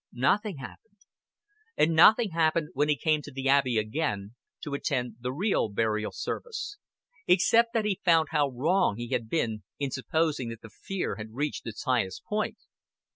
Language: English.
Nothing happened. And nothing happened when he came to the Abbey again to attend the real burial service except that he found how wrong he had been in supposing that the fear had reached its highest point.